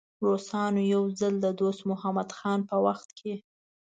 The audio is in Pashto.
روسانو یو ځل د دوست محمد خان په وخت.